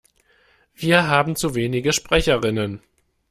Wir haben zu wenige Sprecherinnen.